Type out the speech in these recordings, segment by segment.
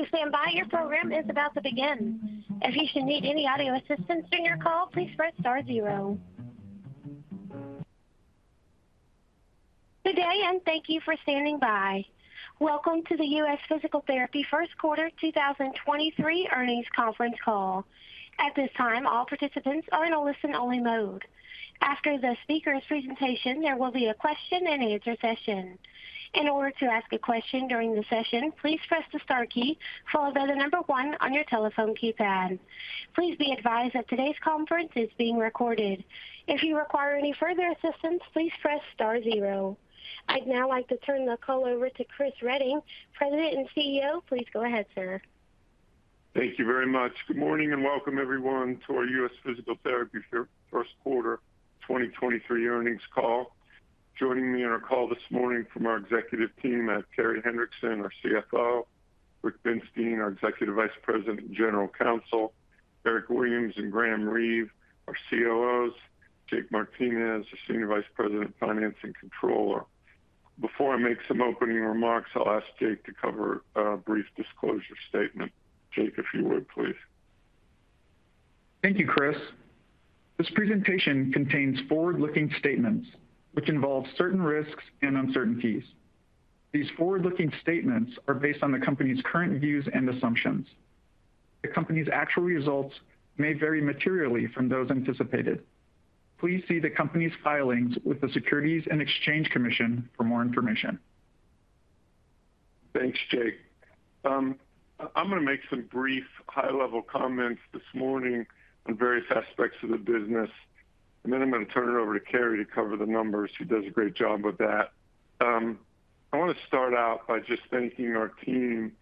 Please stand by. Your program is about to begin. If you should need any audio assistance during your call, please press star zero. Good day. Thank you for standing by. Welcome to the U.S. Physical Therapy 1st quarter 2023 earnings conference call. At this time, all participants are in a listen-only mode. After the speaker's presentation, there will be a question-and-answer session. In order to ask a question during the session, please press the star key followed by the number one on your telephone keypad. Please be advised that today's conference is being recorded. If you require any further assistance, please press star zero. I'd now like to turn the call over to Chris Reading, President and CEO. Please go ahead, sir. Thank you very much. Good morning and welcome everyone to our U.S. Physical Therapy first quarter 2023 earnings call. Joining me on our call this morning from our executive team are Carey Hendrickson, our CFO, Rick Binstein, our Executive Vice President and General Counsel, Eric Williams and Graham Reeve, our COOs, Jake Martinez, the Senior Vice President of Finance and Controller. Before I make some opening remarks, I'll ask Jake to cover a brief disclosure statement. Jake, if you would, please. Thank you, Chris. This presentation contains forward-looking statements which involve certain risks and uncertainties. These forward-looking statements are based on the company's current views and assumptions. The company's actual results may vary materially from those anticipated. Please see the company's filings with the Securities and Exchange Commission for more information. Thanks, Jake. I'm gonna make some brief high-level comments this morning on various aspects of the business. Then I'm gonna turn it over to Carey to cover the numbers. She does a great job with that. I wanna start out by just thanking our team.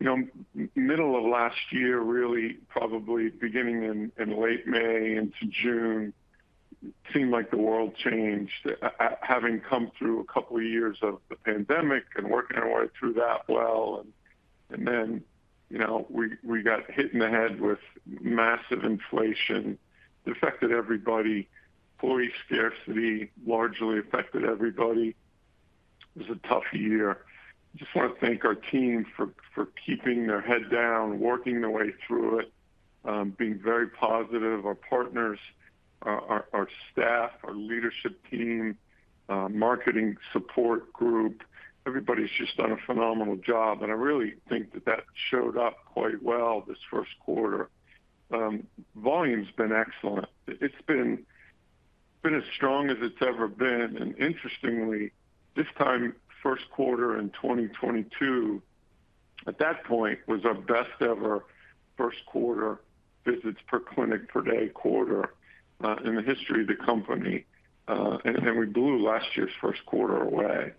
You know, middle of last year, really probably beginning in late May into June, seemed like the world changed. Having come through a couple of years of the pandemic and working our way through that well, then, you know, we got hit in the head with massive inflation. It affected everybody. Employee scarcity largely affected everybody. It was a tough year. Just wanna thank our team for keeping their head down, working their way through it, being very positive. Our partners, our staff, our leadership team, marketing support group, everybody's just done a phenomenal job, and I really think that that showed up quite well this first quarter. Volume's been excellent. It's been as strong as it's ever been. Interestingly, this time first quarter in 2022, at that point was our best ever first quarter visits per clinic per day quarter in the history of the company. We blew last year's first quarter away.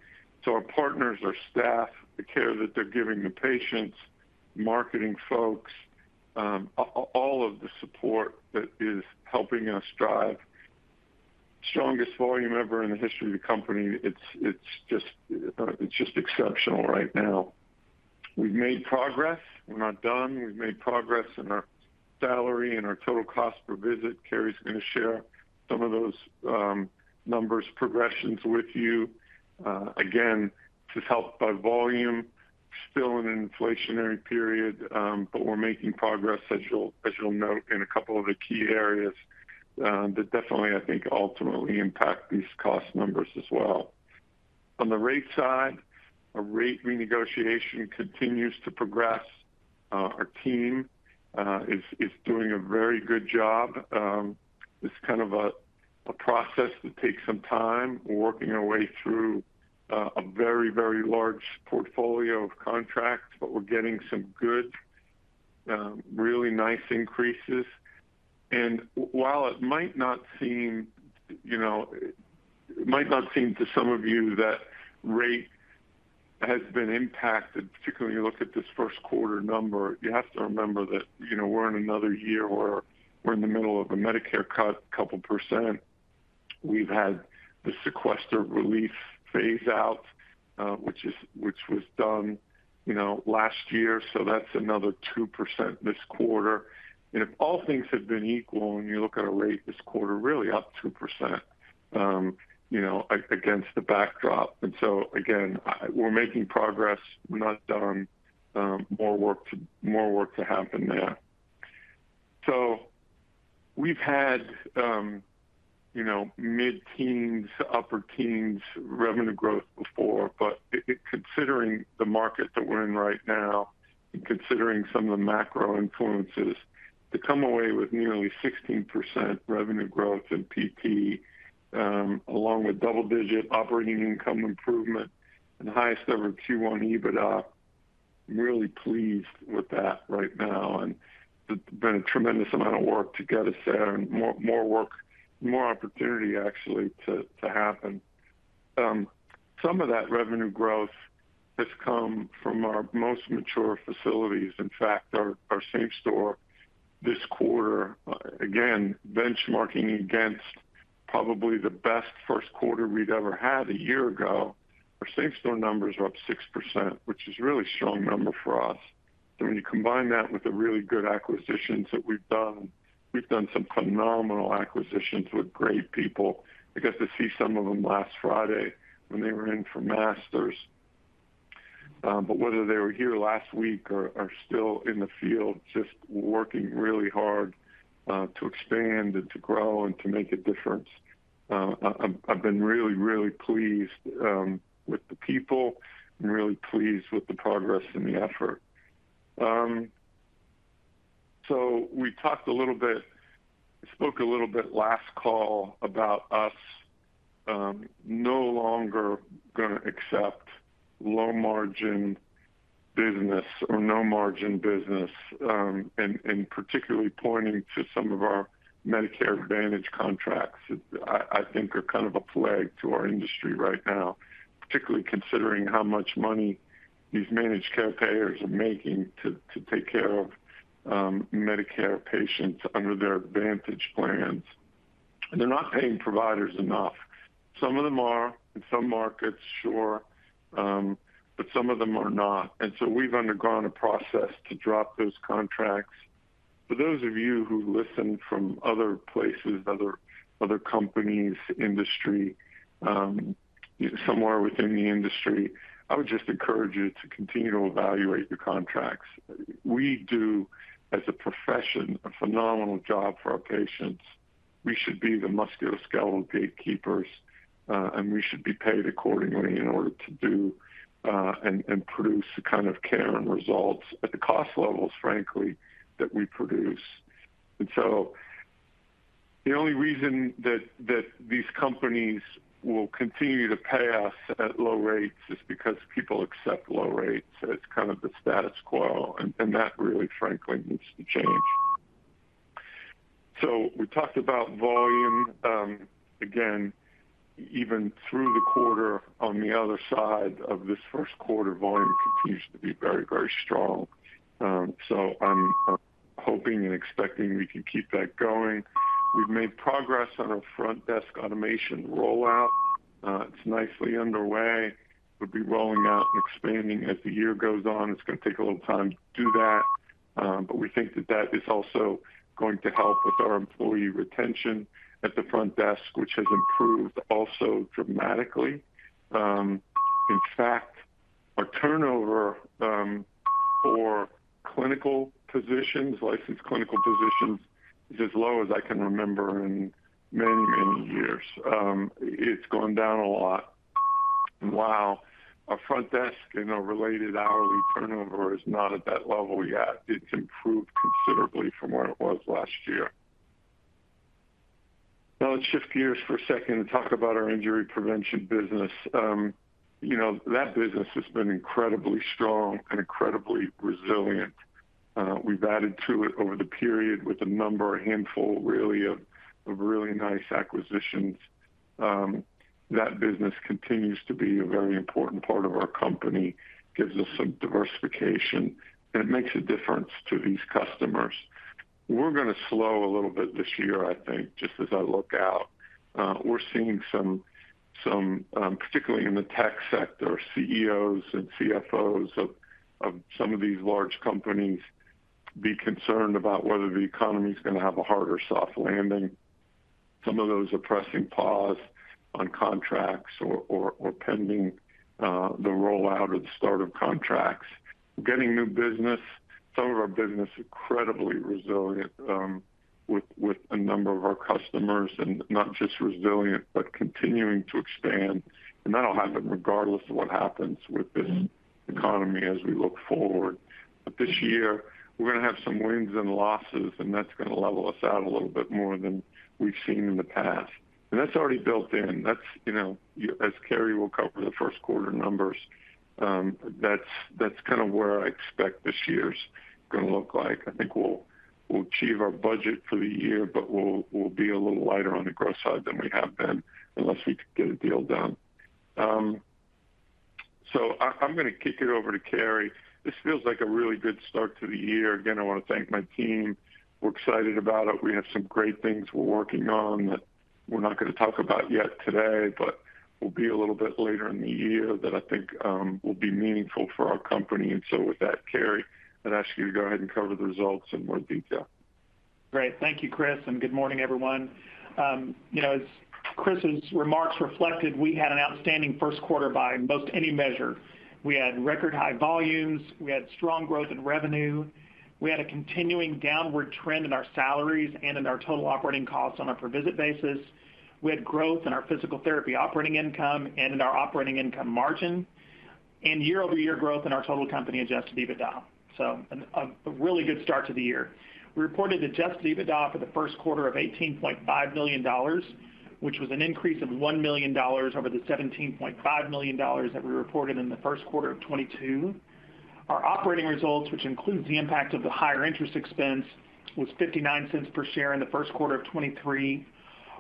Our partners, our staff, the care that they're giving the patients, marketing folks, all of the support that is helping us drive strongest volume ever in the history of the company, it's just exceptional right now. We've made progress. We're not done. We've made progress in our salary and our total cost per visit. Carey's gonna share some of those, numbers progressions with you. Again, just helped by volume, still in an inflationary period, but we're making progress, as you'll note in a couple of the key areas, that definitely I think ultimately impact these cost numbers as well. On the rate side, our rate renegotiation continues to progress. Our team is doing a very good job. It's kind of a process that takes some time. We're working our way through a very large portfolio of contracts, but we're getting some good, really nice increases. While it might not seem, you know... It might not seem to some of you that rate has been impacted, particularly when you look at this first quarter number. You have to remember that, you know, we're in another year where we're in the middle of a Medicare cut, couple percent. We've had the sequester relief phase out, which was done, you know, last year. That's another 2% this quarter. If all things had been equal, and you look at our rate this quarter, really up 2%, you know, against the backdrop. Again, we're making progress. We're not done. More work to happen there. We've had, you know, mid-teens, upper teens revenue growth before, but considering the market that we're in right now and considering some of the macro influences, to come away with nearly 16% revenue growth in PP, along with double-digit operating income improvement and the highest ever Q1 EBITDA, I'm really pleased with that right now. There's been a tremendous amount of work to get us there and more, more work, more opportunity actually to happen. Some of that revenue growth has come from our most mature facilities. In fact, our same store this quarter, again, benchmarking against probably the best first quarter we've ever had a year ago, our same store numbers are up 6%, which is a really strong number for us. When you combine that with the really good acquisitions that we've done, we've done some phenomenal acquisitions with great people. I got to see some of them last Friday when they were in for Masters. were here last week or are still in the field just working really hard to expand and to grow and to make a difference, I've been really, really pleased with the people and really pleased with the progress and the effort. We spoke a little bit last call about us no longer going to accept low margin business or no margin business, and particularly pointing to some of our Medicare Advantage contracts that I think are kind of a plague to our industry right now, particularly considering how much money these managed care payers are making to take care of Medicare patients under their Advantage plans. And they're not paying providers enough. Some of them are in some markets, sure, but some of them are not. We've undergone a process to drop those contracts. For those of you who listen from other places, other companies, industry, somewhere within the industry, I would just encourage you to continue to evaluate your contracts. We do, as a profession, a phenomenal job for our patients. We should be the musculoskeletal gatekeepers, and we should be paid accordingly in order to do and produce the kind of care and results at the cost levels, frankly, that we produce. The only reason that these companies will continue to pay us at low rates is because people accept low rates. It's kind of the status quo, and that really, frankly, needs to change. We talked about volume. Again, even through the quarter, on the other side of this first quarter, volume continues to be very strong. I'm hoping and expecting we can keep that going. We've made progress on our front desk automation rollout. It's nicely underway. We'll be rolling out and expanding as the year goes on. It's gonna take a little time to do that, but we think that that is also going to help with our employee retention at the front desk, which has improved also dramatically. In fact, our turnover for clinical positions, licensed clinical positions, is as low as I can remember in many, many years. It's gone down a lot. While our front desk in a related hourly turnover is not at that level yet, it's improved considerably from where it was last year. Let's shift gears for a second and talk about our injury prevention business. You know, that business has been incredibly strong and incredibly resilient. We've added to it over the period with a number, a handful really of really nice acquisitions. That business continues to be a very important part of our company, gives us some diversification, and it makes a difference to these customers. We're gonna slow a little bit this year, I think, just as I look out. We're seeing some, particularly in the tech sector, CEOs and CFOs of some of these large companies be concerned about whether the economy is gonna have a hard or soft landing. Some of those are pressing pause on contracts or pending, the rollout or the start of contracts. We're getting new business. Some of our business incredibly resilient, with a number of our customers, and not just resilient, but continuing to expand. That'll happen regardless of what happens with this economy as we look forward. This year, we're gonna have some wins and losses, and that's gonna level us out a little bit more than we've seen in the past. That's already built in. That's, you know, as Carey will cover the first quarter numbers, that's kinda where I expect this year's gonna look like. I think we'll achieve our budget for the year, but we'll be a little lighter on the growth side than we have been unless we can get a deal done. I'm gonna kick it over to Carey. This feels like a really good start to the year. Again, I wanna thank my team. We're excited about it. We have some great things we're working on that we're not gonna talk about yet today, but will be a little bit later in the year that I think, will be meaningful for our company. With that, Carey, I'd ask you to go ahead and cover the results in more detail. Great. Thank you, Chris. Good morning, everyone. You know, as Chris's remarks reflected, we had an outstanding first quarter by most any measure. We had record high volumes. We had strong growth in revenue. We had a continuing downward trend in our salaries and in our total operating costs on a per visit basis. We had growth in our physical therapy operating income and in our operating income margin. Year-over-year growth in our total company adjusted EBITDA. A really good start to the year. We reported adjusted EBITDA for the first quarter of $18.5 million, which was an increase of $1 million over the $17.5 million that we reported in the first quarter of 2022. Our operating results, which includes the impact of the higher interest expense, was $0.59 per share in the first quarter of 2023.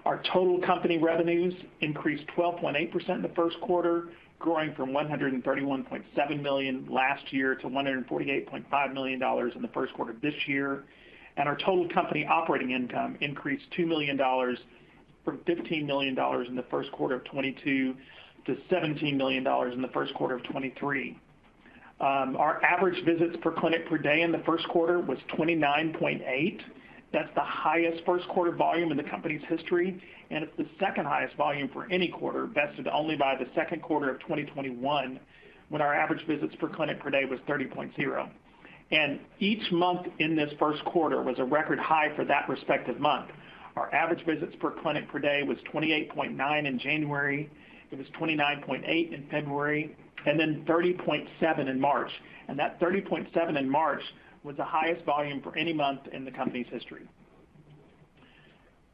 Our total company revenues increased 12.8% in the first quarter, growing from $131.7 million last year to $148.5 million in the first quarter this year. Our total company operating income increased $2 million. From $15 million in the first quarter of 2022 to $17 million in the first quarter of 2023. Our average visits per clinic per day in the first quarter was 29.8. That's the highest first-quarter volume in the company's history, and it's the second highest volume for any quarter, vested only by the second quarter of 2021, when our average visits per clinic per day was 30.0. Each month in this first quarter was a record high for that respective month. Our average visits per clinic per day was 28.9 in January, it was 29.8 in February, and then 30.7 in March. That 30.7 in March was the highest volume for any month in the company's history.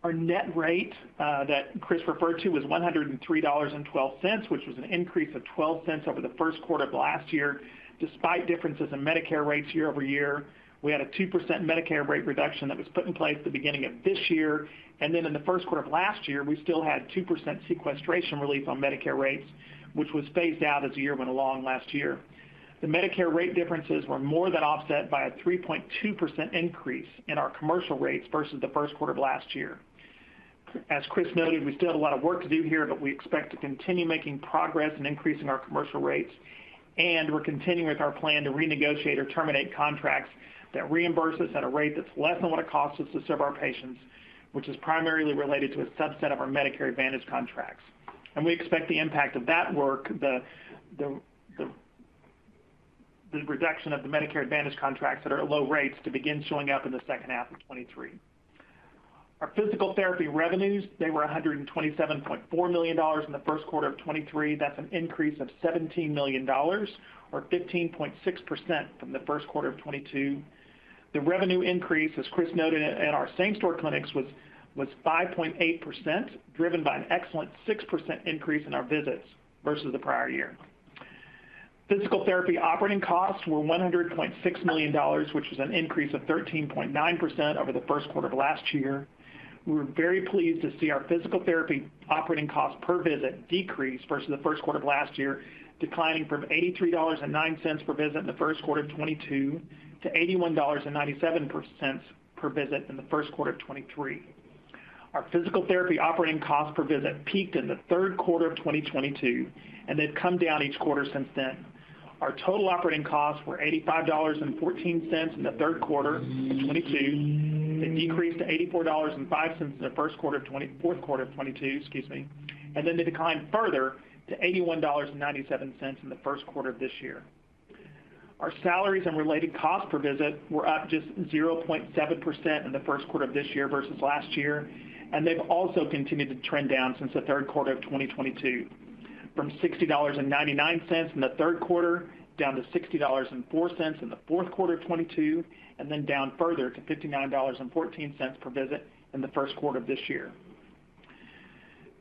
Our net rate that Chris referred to was $103.12, which was an increase of $0.12 over the first quarter of last year. Despite differences in Medicare rates year-over-year, we had a 2% Medicare rate reduction that was put in place at the beginning of this year. In the first quarter of last year, we still had 2% sequestration relief on Medicare rates, which was phased out as the year went along last year. The Medicare rate differences were more than offset by a 3.2% increase in our commercial rates versus the first quarter of last year. As Chris noted, we still have a lot of work to do here, we expect to continue making progress in increasing our commercial rates. We're continuing with our plan to renegotiate or terminate contracts that reimburse us at a rate that's less than what it costs us to serve our patients, which is primarily related to a subset of our Medicare Advantage contracts. We expect the impact of that work, the reduction of the Medicare Advantage contracts that are at low rates to begin showing up in the second half of 2023. Our physical therapy revenues, they were $127.4 million in the first quarter of 2023. That's an increase of $17 million or 15.6% from the first quarter of 2022. The revenue increase, as Chris noted, at our same store clinics was 5.8%, driven by an excellent 6% increase in our visits versus the prior year. Physical therapy operating costs were $100.6 million, which is an increase of 13.9% over the first quarter of last year. We were very pleased to see our physical therapy operating costs per visit decrease versus the first quarter of last year, declining from $83.09 per visit in the first quarter of 2022 to $81.97 per visit in the first quarter of 2023. Our physical therapy operating costs per visit peaked in the third quarter of 2022. They've come down each quarter since then. Our total operating costs were $85.14 in the third quarter of 2022. They decreased to $84.05 in the fourth quarter of 2022, excuse me. They declined further to $81.97 in the first quarter of this year. Our salaries and related costs per visit were up just 0.7% in the first quarter of this year versus last year, and they've also continued to trend down since the third quarter of 2022. From $60.99 in the third quarter, down to $60.04 in the fourth quarter of 2022, and then down further to $59.14 per visit in the first quarter of this year.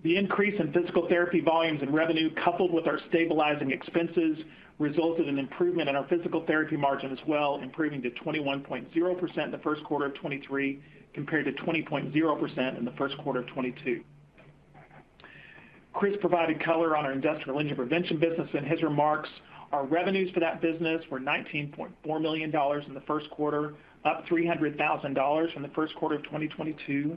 The increase in physical therapy volumes and revenue, coupled with our stabilizing expenses, resulted in improvement in our physical therapy margin as well, improving to 21.0% in the first quarter of 2023, compared to 20.0% in the first quarter of 2022. Chris provided color on our industrial injury prevention business in his remarks. Our revenues for that business were $19.4 million in the first quarter, up $300,000 from the first quarter of 2022.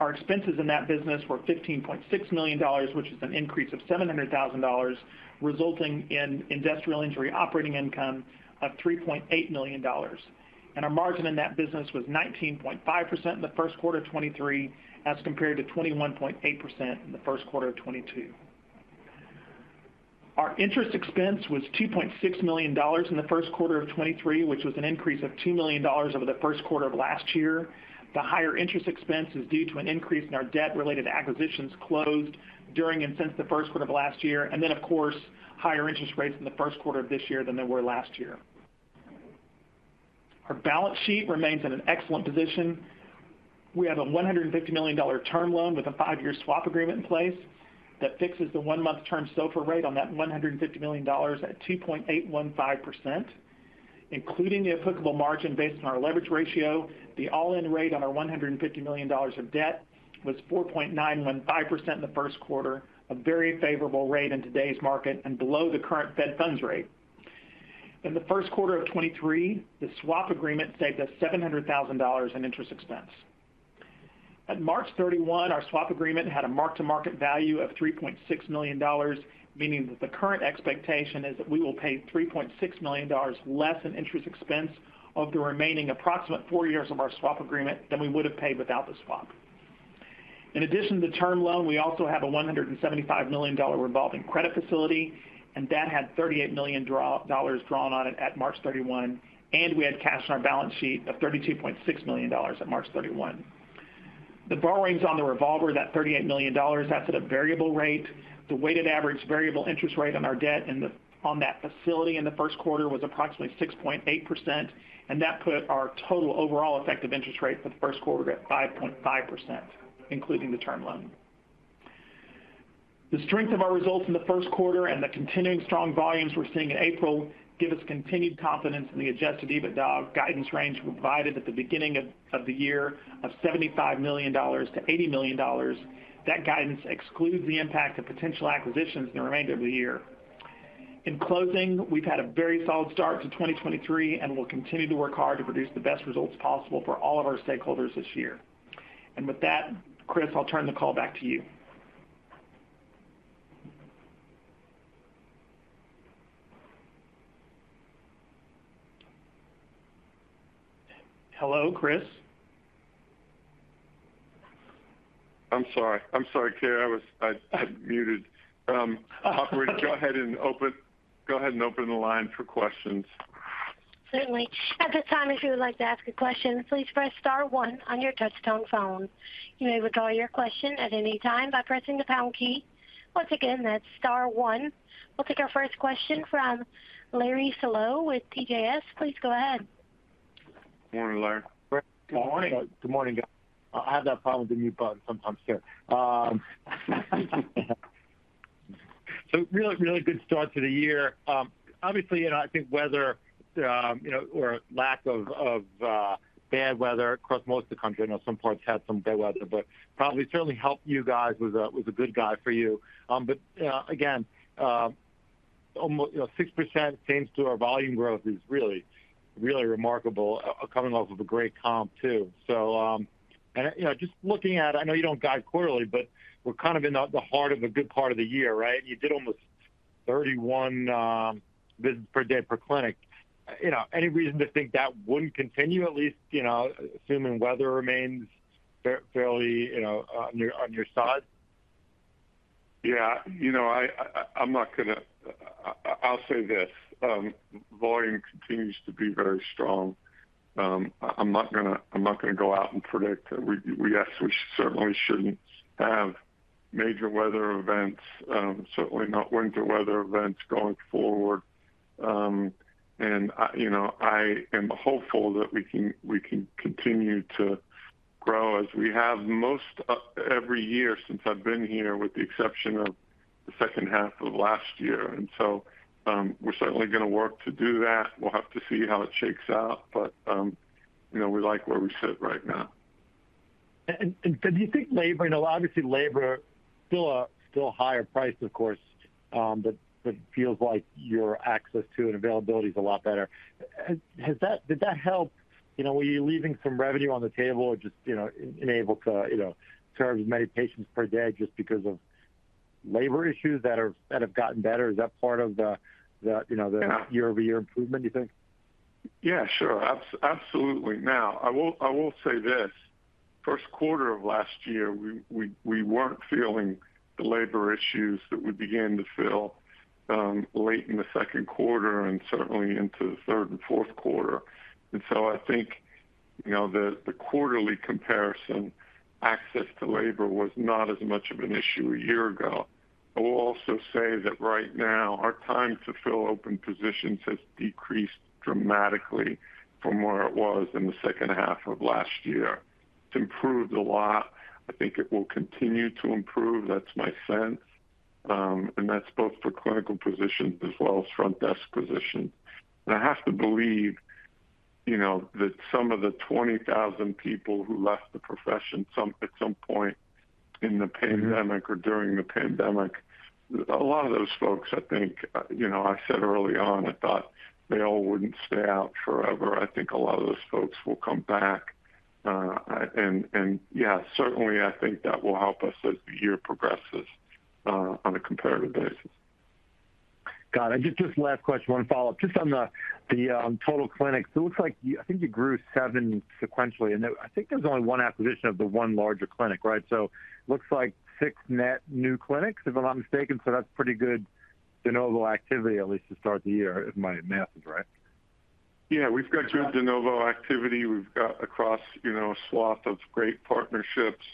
Our expenses in that business were $15.6 million, which is an increase of $700,000, resulting in industrial injury operating income of $3.8 million. Our margin in that business was 19.5% in the first quarter of 2023 as compared to 21.8% in the first quarter of 2022. Our interest expense was $2.6 million in the first quarter of 2023, which was an increase of $2 million over the first quarter of last year. Of course, higher interest rates in the first quarter of this year than they were last year. Our balance sheet remains in an excellent position. We have a $150 million term loan with a five-year swap agreement in place that fixes the one-month Term SOFR rate on that $150 million at 2.815%. Including the applicable margin based on our leverage ratio, the all-in rate on our $150 million of debt was 4.915% in the first quarter, a very favorable rate in today's market and below the current Fed funds rate. In the first quarter of 2023, the swap agreement saved us $700,000 in interest expense. At March 31, our swap agreement had a mark-to-market value of $3.6 million, meaning that the current expectation is that we will pay $3.6 million less in interest expense over the remaining approximate 4 years of our swap agreement than we would have paid without the swap. In addition to the term loan, we also have a $175 million revolving credit facility. That had $38 million dollars drawn on it at March 31. We had cash on our balance sheet of $32.6 million at March 31. The borrowings on the revolver, that $38 million, that's at a variable rate. The weighted average variable interest rate on our debt on that facility in the first quarter was approximately 6.8%. That put our total overall effective interest rate for the first quarter at 5.5%, including the term loan. The strength of our results in the first quarter and the continuing strong volumes we're seeing in April give us continued confidence in the adjusted EBITDA guidance range we provided at the beginning of the year of $75 million-$80 million. That guidance excludes the impact of potential acquisitions in the remainder of the year. In closing, we've had a very solid start to 2023, and we'll continue to work hard to produce the best results possible for all of our stakeholders this year. With that, Chris, I'll turn the call back to you. Hello, Chris? I'm sorry, K. I had muted. Operator, go ahead and open the line for questions. Certainly. At this time, if you would like to ask a question, please press star one on your touch tone phone. You may withdraw your question at any time by pressing the pound key. Once again, that's star one. We'll take our first question from Larry Solow with CJS. Please go ahead. Morning, Larry. Good morning. Good morning, guys. I have that problem with the mute button sometimes here. Really, really good start to the year. Obviously, you know, I think weather, you know, or lack of bad weather across most of the country. I know some parts had some bad weather, but probably certainly helped you guys was a, was a good guy for you. But, again, you know, 6% change to our volume growth is really, really remarkable, coming off of a great comp, too. You know, just looking at it, I know you don't guide quarterly, but we're kind of in the heart of a good part of the year, right? You did almost 31 visits per day per clinic. You know, any reason to think that wouldn't continue at least, you know, assuming weather remains fairly, you know, on your side? Yeah. You know, I'm not gonna. I'll say this. Volume continues to be very strong. I'm not gonna go out and predict. We absolutely certainly shouldn't have major weather events, certainly not winter weather events going forward. You know, I am hopeful that we can continue to grow as we have most every year since I've been here, with the exception of the second half of last year. We're certainly gonna work to do that. We'll have to see how it shakes out, but, you know, we like where we sit right now. Do you think labor, you know, obviously labor still a, still a higher price, of course, but feels like your access to and availability is a lot better. Did that help? You know, were you leaving some revenue on the table or just, you know, unable to, you know, serve as many patients per day just because of labor issues that have gotten better? Is that part of the, you know, the year-over-year improvement, do you think? Yeah, sure. absolutely. I will say this, first quarter of last year, we weren't feeling the labor issues that we began to feel late in the second quarter and certainly into the third and fourth quarter. I think, you know, the quarterly comparison, access to labor was not as much of an issue a year ago. I will also say that right now, our time to fill open positions has decreased dramatically from where it was in the second half of last year. It's improved a lot. I think it will continue to improve. That's my sense. That's both for clinical positions as well as front desk positions. I have to believe, you know, that some of the 20,000 people who left the profession at some point in the pandemic or during the pandemic, a lot of those folks, I think, you know, I said early on, I thought they all wouldn't stay out forever. I think a lot of those folks will come back. And, and, yeah, certainly I think that will help us as the year progresses, on a comparative basis. Got it. Just last question, one follow-up. Just on the total clinics, it looks like I think you grew 7 sequentially, and I think there's only 1 acquisition of the 1 larger clinic, right? Looks like 6 net new clinics, if I'm not mistaken. That's pretty good de novo activity, at least to start the year, if my math is right. Yeah. We've got good de novo activity. We've got across, you know, a swath of great partnerships.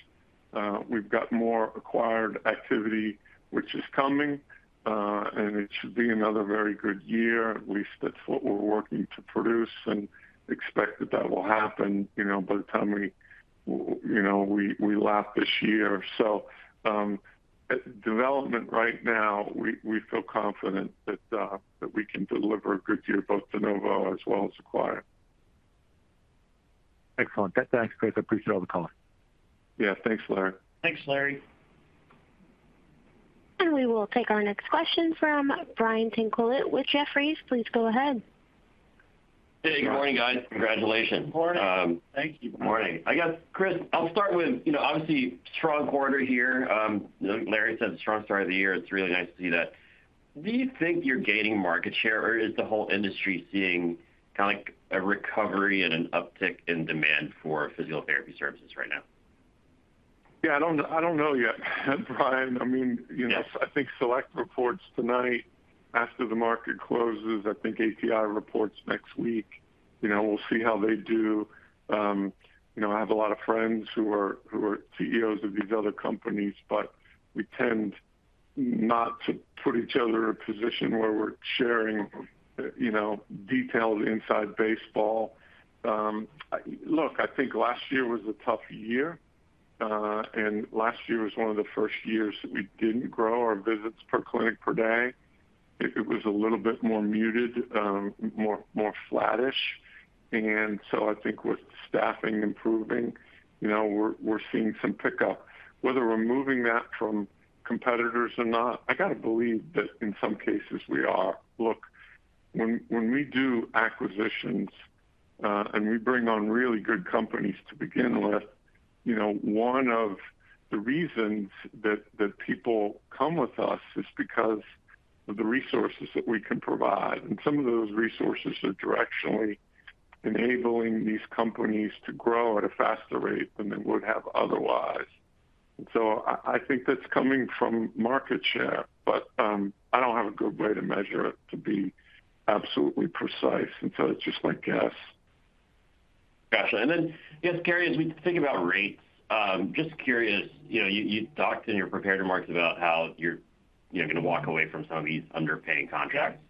We've got more acquired activity which is coming, and it should be another very good year. At least that's what we're working to produce and expect that that will happen, you know, by the time we, you know, we lap this year. Development right now, we feel confident that we can deliver a good year, both de novo as well as acquired. Excellent. Thanks, Chris. I appreciate all the color. Yeah. Thanks, Larry. Thanks, Larry. We will take our next question from Brian Tanquilut with Jefferies. Please go ahead. Hey, good morning, guys. Congratulations. Good morning. Thank you. Good morning. I guess, Chris, I'll start with, you know, obviously strong quarter here. Larry said strong start of the year. It's really nice to see that. Do you think you're gaining market share, or is the whole industry seeing kinda like a recovery and an uptick in demand for physical therapy services right now? Yeah. I don't, I don't know yet, Brian. I mean, you know, I think Select reports tonight after the market closes. I think ATI reports next week. You know, we'll see how they do. You know, I have a lot of friends who are, who are CEOs of these other companies, but we tend not to put each other in a position where we're sharing, you know, detailed inside baseball. Look, I think last year was a tough year, and last year was one of the first years that we didn't grow our visits per clinic per day. It, it was a little bit more muted, more flattish. I think with staffing improving, you know, we're seeing some pickup. Whether we're moving that from competitors or not, I got to believe that in some cases we are. Look, when we do acquisitions, and we bring on really good companies to begin with, you know, one of the reasons that people come with us is because of the resources that we can provide. Some of those resources are directionally enabling these companies to grow at a faster rate than they would have otherwise. I think that's coming from market share, but I don't have a good way to measure it to be absolutely precise, and so it's just my guess. Got you. Yes, Gary, as we think about rates, just curious, you know, you talked in your prepared remarks about how you're gonna walk away from some of these underpaying contracts.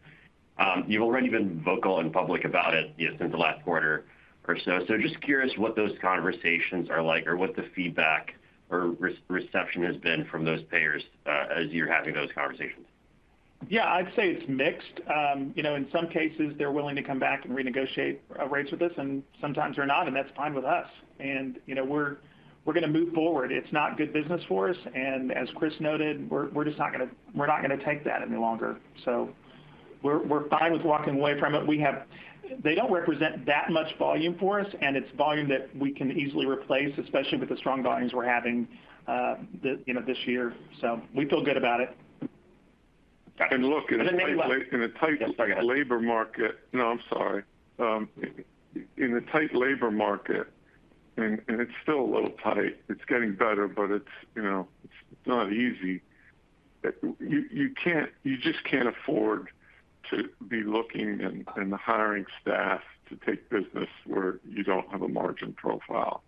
You've already been vocal and public about it, you know, since the last quarter or so. Just curious what those conversations are like or what the feedback or reception has been from those payers, as you're having those conversations. Yeah, I'd say it's mixed. you know, in some cases, they're willing to come back and renegotiate rates with us, and sometimes they're not, and that's fine with us. you know, we're gonna move forward. It's not good business for us. as Chris noted, we're just not gonna take that any longer. we're fine with walking away from it. They don't represent that much volume for us, and it's volume that we can easily replace, especially with the strong volumes we're having, you know, this year. we feel good about it. Got you. look, And then Nick- In a tight- Yes, go ahead. No, I'm sorry. In a tight labor market, it's still a little tight, it's getting better, but it's, you know, it's not easy. You just can't afford to be looking and hiring staff to take business where you don't have a margin profile.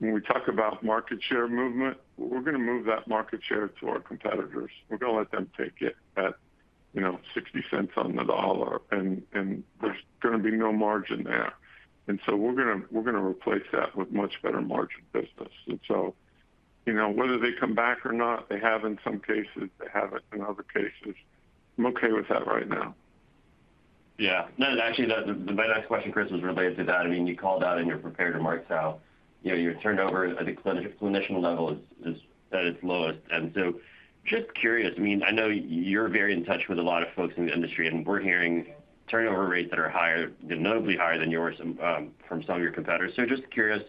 When we talk about market share movement, we're gonna move that market share to our competitors. We're gonna let them take it at, you know, $0.60 on the dollar, and there's gonna be no margin there. We're gonna replace that with much better margin business. You know, whether they come back or not, they have in some cases, they haven't in other cases. I'm okay with that right now. No, actually, the very next question, Chris, was related to that. I mean, you called out in your prepared remarks how, you know, your turnover at a clinician level is at its lowest. Just curious, I mean, I know you're very in touch with a lot of folks in the industry, and we're hearing turnover rates that are higher, notably higher than yours, from some of your competitors. Just curious,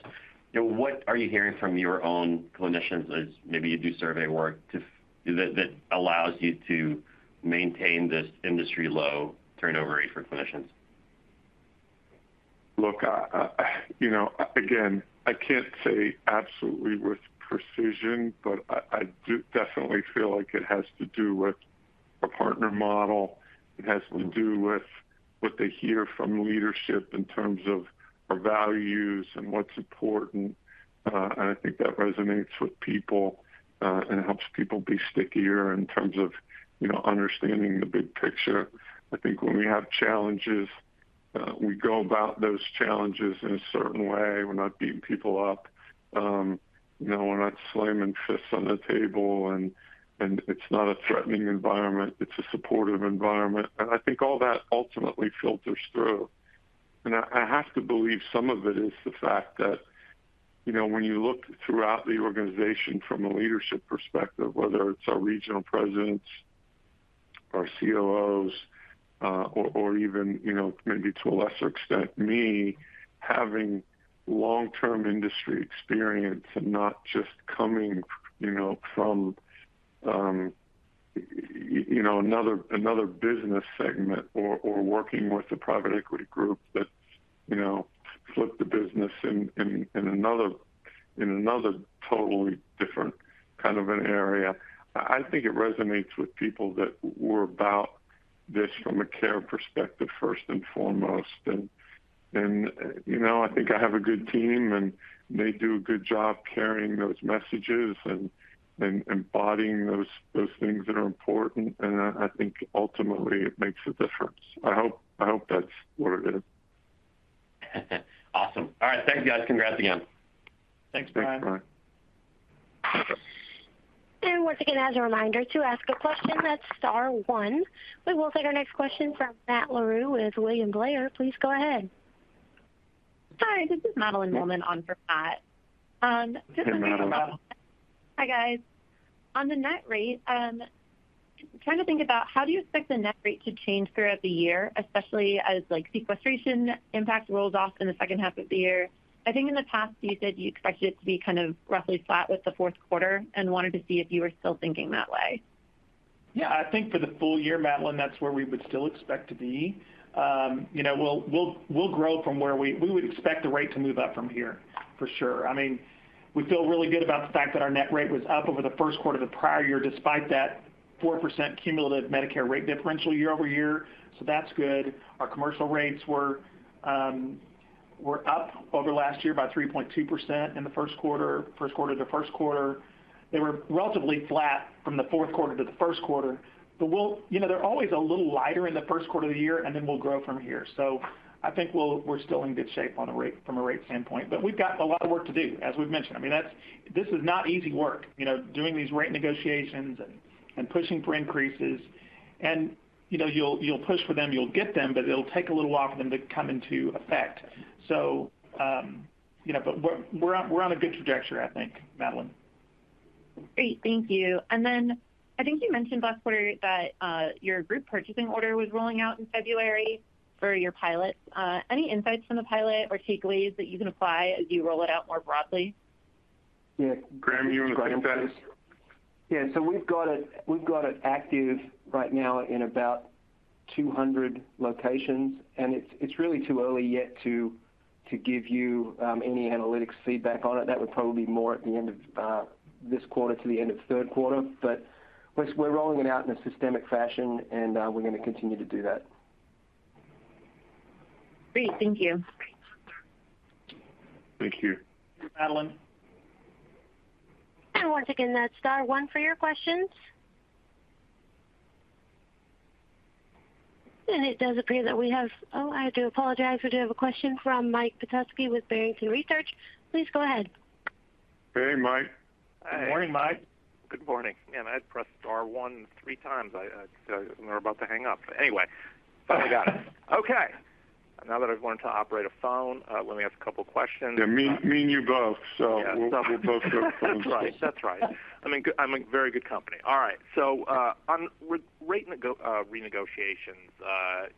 you know, what are you hearing from your own clinicians as maybe you do survey work to that allows you to maintain this industry low turnover rate for clinicians? Look, you know, again, I can't say absolutely with precision, but I do definitely feel like it has to do with a partner model. It has to do with what they hear from leadership in terms of our values and what's important. I think that resonates with people, helps people be stickier in terms of, you know, understanding the big picture. I think when we have challenges, we go about those challenges in a certain way. We're not beating people up. You know, we're not slamming fists on the table and it's not a threatening environment. It's a supportive environment. I think all that ultimately filters through. I have to believe some of it is the fact that, you know, when you look throughout the organization from a leadership perspective, whether it's our regional presidents or COOs, or even, you know, maybe to a lesser extent, me having long-term industry experience and not just coming, you know, from, you know, another business segment or working with a private equity group that, you know, flipped the business in another totally different kind of an area. I think it resonates with people that we're about this from a care perspective first and foremost. You know, I think I have a good team, and they do a good job carrying those messages and embodying those things that are important. I think ultimately it makes a difference. I hope that's what it is. Awesome. All right. Thank you, guys. Congrats again. Thanks, Brian. Thanks, Brian. Once again, as a reminder, to ask a question, that's star one. We will take our next question from Matt Larew with William Blair. Please go ahead. Hi, this is Madelyn Mollman on for Matt. Hey, Madeline. Hey, Madeline. Hi, guys. On the net rate, trying to think about how do you expect the net rate to change throughout the year, especially as, like, sequestration impact rolls off in the second half of the year? I think in the past you said you expected it to be kind of roughly flat with the fourth quarter and wanted to see if you were still thinking that way? I think for the full year, Madeline, that's where we would still expect to be. You know, we'll grow from where we would expect the rate to move up from here, for sure. I mean, we feel really good about the fact that our net rate was up over the first quarter of the prior year despite that 4% cumulative Medicare rate differential year-over-year, so that's good. Our commercial rates were up over last year by 3.2% in the first quarter, first quarter to first quarter. They were relatively flat from the fourth quarter to the first quarter. You know, they're always a little lighter in the first quarter of the year, and then we'll grow from here. I think we're still in good shape from a rate standpoint. We've got a lot of work to do, as we've mentioned. I mean, that's this is not easy work, you know, doing these rate negotiations and pushing for increases. You know, you'll push for them, you'll get them, but it'll take a little while for them to come into effect. You know, but we're on a good trajectory, I think, Madeline. Great. Thank you. I think you mentioned last quarter that, your Group Purchasing Organization was rolling out in February for your pilot. Any insights from the pilot or takeaways that you can apply as you roll it out more broadly? Graham, do you want to take that? Yeah. We've got it active right now in about 200 locations, and it's really too early yet to give you any analytics feedback on it. That would probably be more at the end of this quarter to the end of 3rd quarter. We're rolling it out in a systemic fashion, and we're gonna continue to do that. Great. Thank you. Thank you. Madeline. Once again, that's star 1 for your questions. It does appear that we have. Oh, I do apologize. We do have a question from Mike Petusky with Barrington Research. Please go ahead. Hey, Mike. Good morning, Mike. Good morning. Man, I pressed star one 3 times. I. We're about to hang up. Anyway. Finally got it. Okay. Now that I've learned to operate a phone, let me ask a couple questions. Yeah, me and you both. Yeah. We'll both learn phones. That's right. That's right. I make very good company. All right. On renegotiations,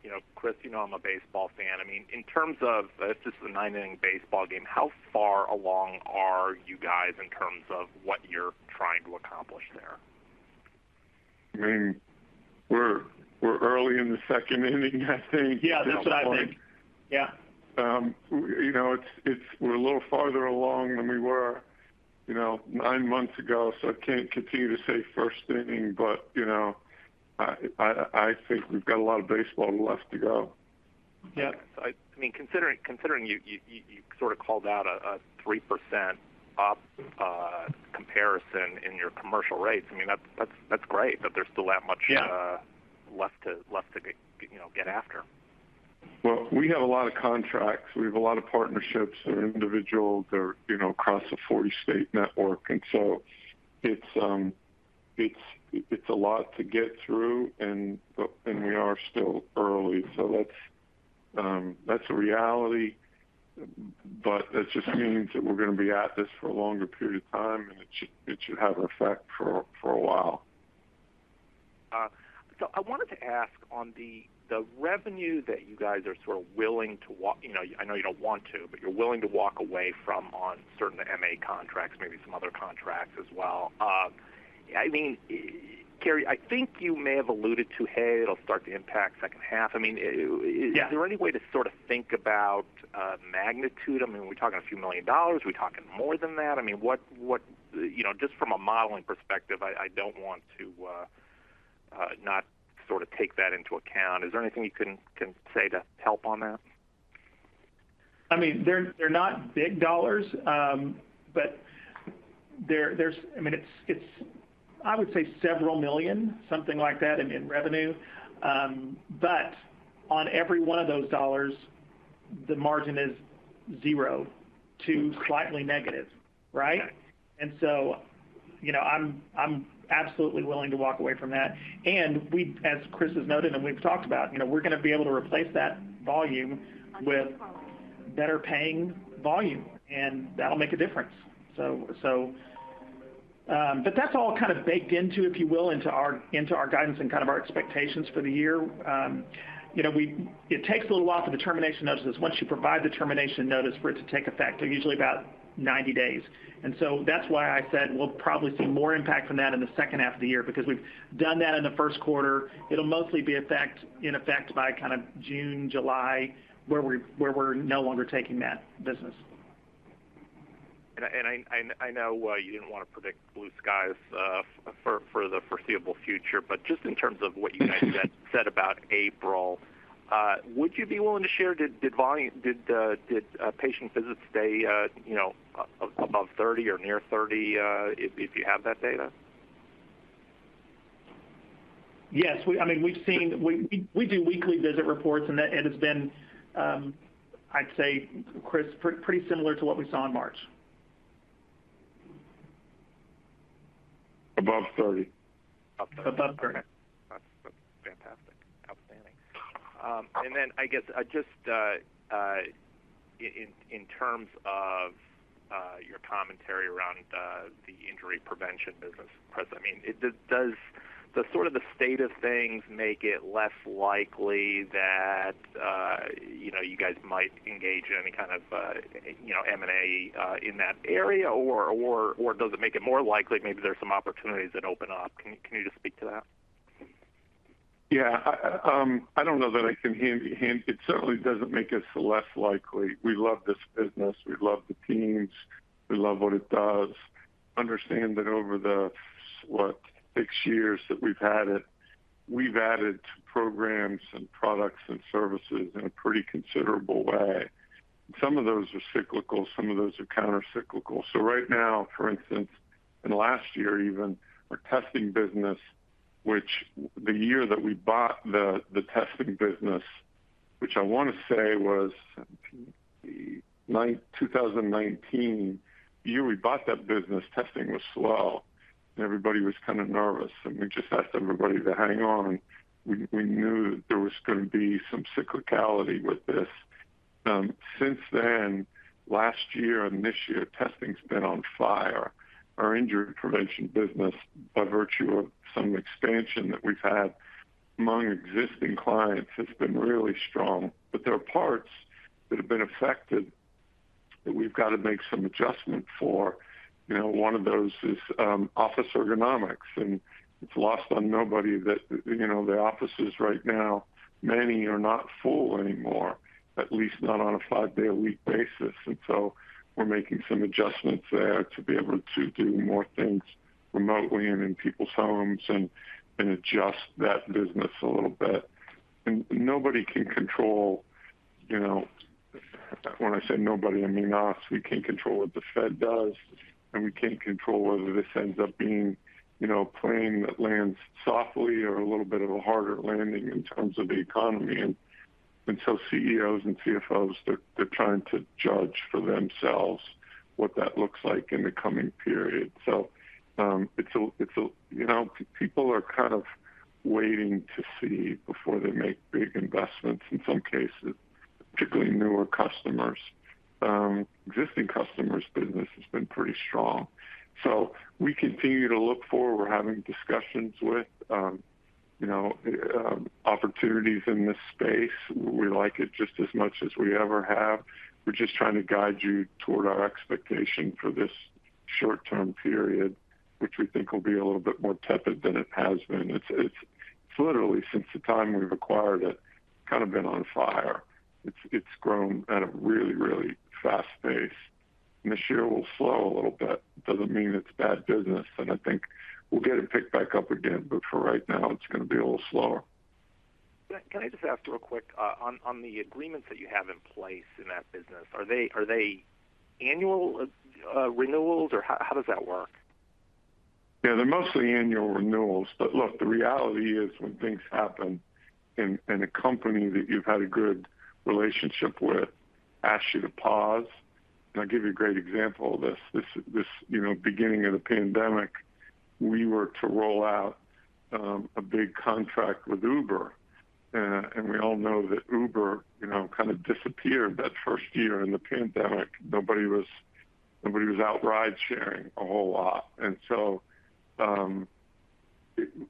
you know, Chris, you know I'm a baseball fan. I mean, in terms of, it's just a nine-inning baseball game, how far along are you guys in terms of what you're trying to accomplish there? I mean, we're early in the second inning, I think- Yeah, that's what I think.... at this point. Yeah. You know, it's, we're a little farther along than we were, you know, 9 months ago, so I can't continue to say first inning. You know, I think we've got a lot of baseball left to go. Yeah. I mean, considering you sort of called out a 3% op comparison in your commercial rates, I mean, that's great that there's still that much- Yeah... left to you know, get after. We have a lot of contracts. We have a lot of partnerships that are individual. They're, you know, across a 40-state network. It's a lot to get through, and we are still early. That's a reality, but that just means that we're gonna be at this for a longer period of time, and it should have effect for a while. I wanted to ask on the revenue that you guys are sort of willing to walk, you know, I know you don't want to, but you're willing to walk away from on certain MA contracts, maybe some other contracts as well. I mean, Carey, I think you may have alluded to, hey, it'll start to impact second half. I mean, Yeah. Is there any way to sort of think about magnitude? I mean, are we talking a few million dollars? Are we talking more than that? I mean, what, you know, just from a modeling perspective, I don't want to not sort of take that into account. Is there anything you can say to help on that? I mean, they're not big dollars, but there's, I mean, it's, I would say several million, something like that in revenue. But on every one of those dollars, the margin is 0 to slightly negative, right? Got it. You know, I'm absolutely willing to walk away from that. We've, as Chris has noted and we've talked about, you know, we're gonna be able to replace that volume with better paying volume, and that'll make a difference. That's all kind of baked into, if you will, into our, into our guidance and kind of our expectations for the year. You know, it takes a little while for the termination notices, once you provide the termination notice, for it to take effect. They're usually about 90 days. That's why I said we'll probably see more impact from that in the second half of the year, because we've done that in the first quarter. It'll mostly be in effect by kind of June, July, where we're no longer taking that business. I, and I know, you didn't want to predict blue skies, for the foreseeable future, but just in terms of what you guys said about April, would you be willing to share, did patient visits stay, you know, a-above 30 or near 30, if you have that data? Yes. We, I mean, we do weekly visit reports and that, and it's been, I'd say, Chris, pretty similar to what we saw in March. Above 30. Above 30. Above 30. Okay. That's fantastic. Outstanding. Then I guess, just in terms of your commentary around the injury prevention business, Chris, I mean, does the sort of the state of things make it less likely that, you know, you guys might engage in any kind of, you know, M&A, in that area? Or does it make it more likely maybe there's some opportunities that open up? Can you just speak to that? Yeah. I don't know that I can hand you. It certainly doesn't make us less likely. We love this business. We love the teams. We love what it does. Understand that over the, what, 6 years that we've had it, we've added to programs and products and services in a pretty considerable way. Some of those are cyclical, some of those are countercyclical. Right now, for instance, and last year even, our testing business, which the year that we bought the testing business, which I want to say was 2019, the year we bought that business, testing was slow, and everybody was kind of nervous, and we just asked everybody to hang on. We knew that there was going to be some cyclicality with this. Since then, last year and this year, testing's been on fire. Our injury prevention business, by virtue of some expansion that we've had among existing clients, has been really strong. There are parts that have been affected that we've got to make some adjustment for. You know, one of those is office ergonomics. It's lost on nobody that, you know, the offices right now, many are not full anymore, at least not on a five-day-a-week basis. We're making some adjustments there to be able to do more things remotely and in people's homes and adjust that business a little bit. Nobody can control, you know, when I say nobody, I mean us. We can't control what the Fed does, and we can't control whether this ends up being, you know, a plane that lands softly or a little bit of a harder landing in terms of the economy. CEOs and CFOs, they're trying to judge for themselves what that looks like in the coming period. It's a, you know, people are kind of waiting to see before they make big investments in some cases, particularly newer customers. Existing customers' business has been pretty strong. We continue to look for, we're having discussions with, you know, opportunities in this space. We like it just as much as we ever have. We're just trying to guide you toward our expectation for this short-term period, which we think will be a little bit more tepid than it has been. It's literally, since the time we've acquired, it kind of been on fire. It's grown at a really, really fast pace, and this year will slow a little bit. Doesn't mean it's bad business, and I think we'll get it picked back up again, but for right now, it's going to be a little slower. Can I just ask real quick, on the agreements that you have in place in that business, are they annual renewals or how does that work? Yeah, they're mostly annual renewals. Look, the reality is when things happen and a company that you've had a good relationship with asks you to pause. I'll give you a great example of this. This, you know, beginning of the pandemic, we were to roll out a big contract with Uber. We all know that Uber, you know, kind of disappeared that first year in the pandemic. Nobody was out ride-sharing a whole lot.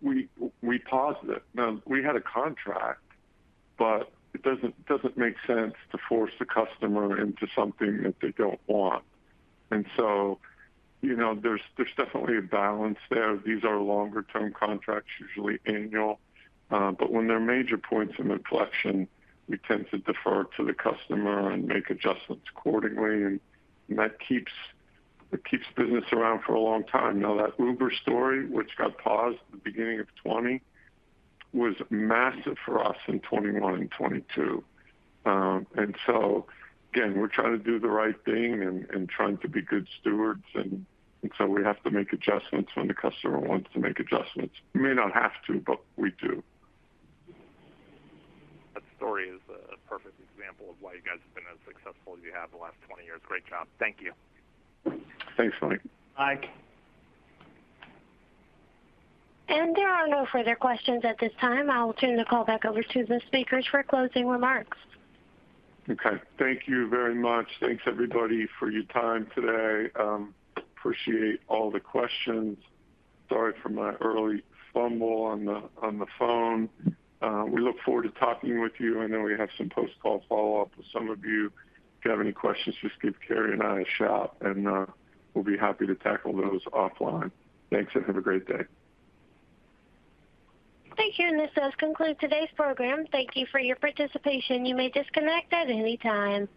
We paused it. Now, we had a contract, but it doesn't make sense to force the customer into something that they don't want. You know, there's definitely a balance there. These are longer-term contracts, usually annual. When there are major points of inflection, we tend to defer to the customer and make adjustments accordingly, and it keeps business around for a long time. That Uber story, which got paused at the beginning of 2020, was massive for us in 2021 and 2022. Again, we're trying to do the right thing and trying to be good stewards, and so we have to make adjustments when the customer wants to make adjustments. We may not have to, but we do. That story is a perfect example of why you guys have been as successful as you have the last 20 years. Great job. Thank you. Thanks, Mike. Mike? There are no further questions at this time. I'll turn the call back over to the speakers for closing remarks. Okay. Thank you very much. Thanks, everybody, for your time today. Appreciate all the questions. Sorry for my early fumble on the, on the phone. We look forward to talking with you. I know we have some post-call follow-up with some of you. If you have any questions, just give Kerry and I a shout, and we'll be happy to tackle those offline. Thanks. Have a great day. Thank you, and this does conclude today's program. Thank you for your participation. You may disconnect at any time.